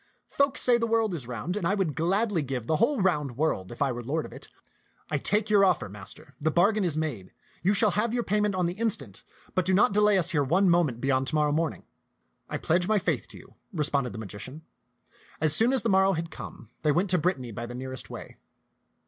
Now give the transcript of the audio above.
Folk say the world is round, and I would gladly give the whole round world if I were lord of it. I take your offer, master ; the bargain is made. You shall have your payment on the instant ; but do not de lay us here one moment beyond to morrow morning." "I pledge my faith to you," responded the magician. As soon as the morrow had come, they went to Brittany by the nearest way.